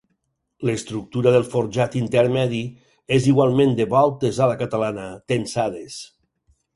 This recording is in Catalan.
L'estructura del forjat intermedi és igualment de voltes a la catalana tensades.